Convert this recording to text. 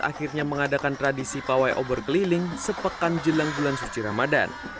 akhirnya mengadakan tradisi pawai obor keliling sepekan jelang bulan suci ramadan